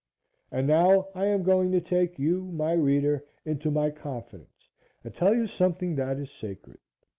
And now, I am going to take you, my reader, into my confidence and tell you something that is sacred.